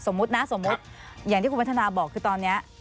นะสมมุติอย่างที่คุณพัฒนาบอกคือตอนนี้